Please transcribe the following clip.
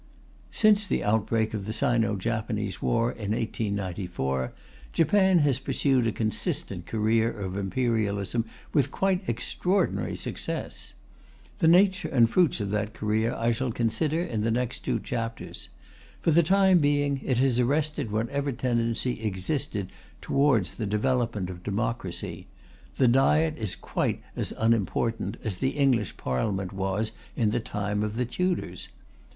Since the outbreak of the Sino Japanese war in 1894, Japan has pursued a consistent career of imperialism, with quite extraordinary success. The nature and fruits of that career I shall consider in the next two chapters. For the time being, it has arrested whatever tendency existed towards the development of democracy; the Diet is quite as unimportant as the English Parliament was in the time of the Tudors.